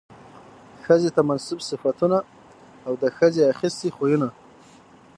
ښځې ته منسوب صفتونه او د ښځې اخىستي خوىونه